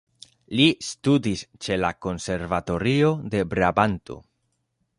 Li studis ĉe la konservatorio de Brabanto.